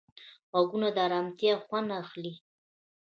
غوږونه له ارامتیا خوند اخلي